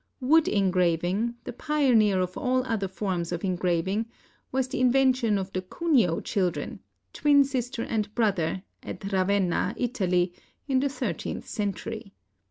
Wood engraving, the pioneer of all other forms of engraving, was the invention of the Cunio children, twin sister and brother, at Ravenna, Italy, in the thir teenth century.